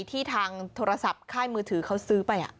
ที่ทางโทรศัพท์ค่ายมือถือเขาซื้อไป